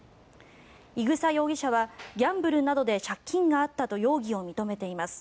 伊草容疑者はギャンブルなどで借金があったと容疑を認めています。